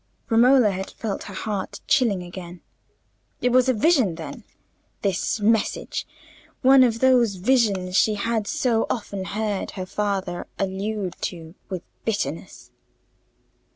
Romola had felt her heart chilling again. It was a vision, then, this message—one of those visions she had so often heard her father allude to with bitterness.